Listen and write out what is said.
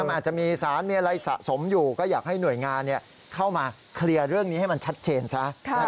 มันอาจจะมีสารมีอะไรสะสมอยู่ก็อยากให้หน่วยงานเข้ามาเคลียร์เรื่องนี้ให้มันชัดเจนซะ